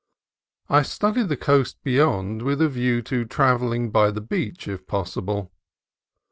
I studied the coast beyond with a view to travelling by the beach if possible.